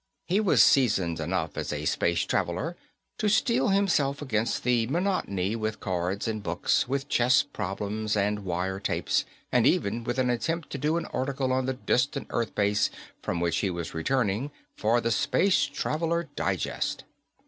He was seasoned enough as a space traveler to steel himself against the monotony with cards and books, with chess problems and wire tapes, and even with an attempt to do an article on the distant earthbase from which he was returning for the Spacetraveler Digest.